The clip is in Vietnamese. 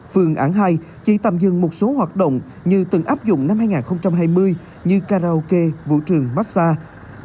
phương án hai chỉ tạm dừng một số hoạt động như từng áp dụng năm hai nghìn hai mươi như karaoke vũ trường massage